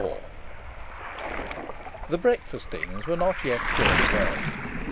IV The breakfast things were not yet cleared away.